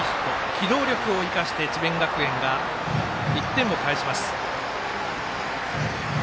機動力を生かして、智弁学園が１点を返します。